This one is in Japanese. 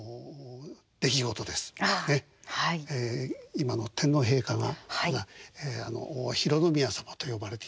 今の天皇陛下が浩宮さまと呼ばれていた。